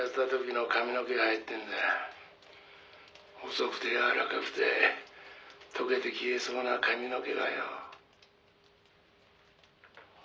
「細くて柔らかくて溶けて消えそうな髪の毛がよ」